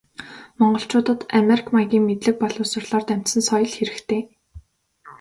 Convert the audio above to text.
Монголчуудад америк маягийн мэдлэг боловсролоор дамжсан соёл хэрэгтэй.